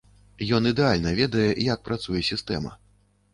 Ён ідэальна ведае, як працуе сістэма.